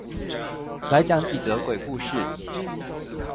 來講幾則鬼故事